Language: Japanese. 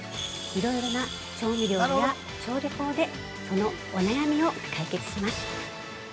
いろいろな調味料や調理法でそのお悩みを解決します。